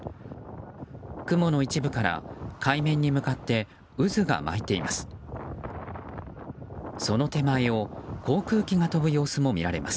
雲の一部から海面に向かって渦が巻いています。